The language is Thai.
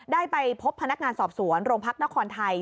ได้ไปพบพนักงานสอบสวนโรงพักนครไทย